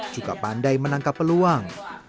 juga pandai menangkap peluang